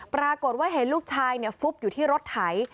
ปรากฏว่าเห็นลูกชายฟุบอยู่ที่รถไถ